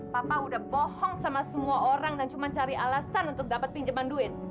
papa udah bohong sama semua orang dan cuma cari alasan untuk dapat pinjaman duit